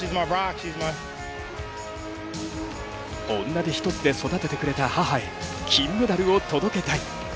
女手一つで育ててくれた母へ、金メダルを届けたい。